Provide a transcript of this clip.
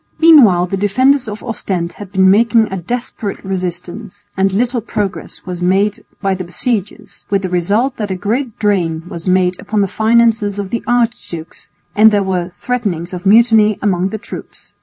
Meanwhile the defenders of Ostend had been making a desperate resistance, and little progress was made by the besiegers, with the result that a great drain was made upon the finances of the archdukes and there were threatenings of mutiny among the troops.